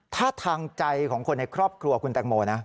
ถ้าทางใจของคนในครอบครัวคุณแตงโมนะ